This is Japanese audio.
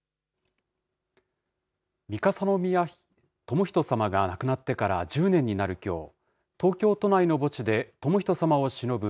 三笠宮ともひとさまが亡くなってから１０年になるきょう、東京都内の墓地でともひとさまをしのぶ